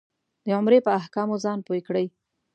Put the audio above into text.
د عمرې په احکامو ځان پوی کړې.